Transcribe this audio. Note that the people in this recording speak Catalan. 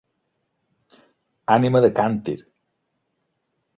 Ànima de càntir.